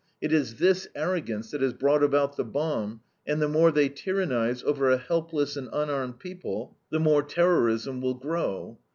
It is this arrogance that has brought about the bomb, and the more they tyrannize over a helpless and unarmed people, the more terrorism will grow.